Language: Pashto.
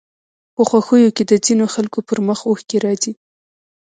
په خوښيو کې د ځينو خلکو پر مخ اوښکې راځي